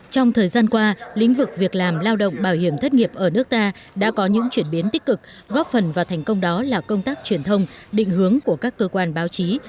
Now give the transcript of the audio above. trong thời gian qua lĩnh vực việc làm lao động bảo hiểm thất nghiệp ở nước ta đã có những chuyển biến tích cực góp phần vào thành công đó là công tác truyền thông định hướng của các cơ quan báo chí